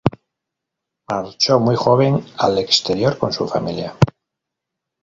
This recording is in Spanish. Marchó muy joven al exterior con su familia.